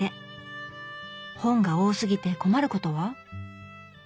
本が多すぎて困ることは？